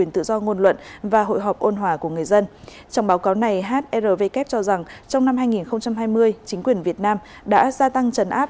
trong báo cáo này hrvk cho rằng trong năm hai nghìn hai mươi chính quyền việt nam đã gia tăng trần áp